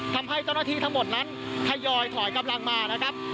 ทำให้เจ้าหน้าที่ทั้งหมดนั้นทยอยถอยกำลังมานะครับ